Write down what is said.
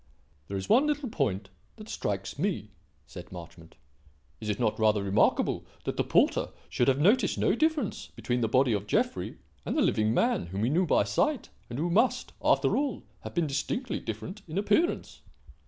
"There is one little point that strikes me," said Marchmont. "Is it not rather remarkable that the porter should have noticed no difference between the body of Jeffrey and the living man whom he knew by sight, and who must, after all, have been distinctly different in appearance?"